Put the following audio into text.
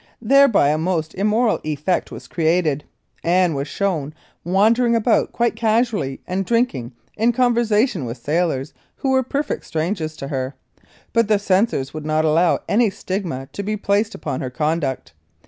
Thereby a most immoral effect was created. Anne was shown wandering about quite casually and drinking and conversing with sailors who were perfect strangers to her, but the censors would not allow any stigma to be placed upon her conduct.